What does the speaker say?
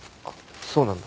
そうなんだ。